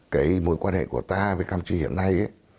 cái mối quan hệ của ta với campuchia hiện nay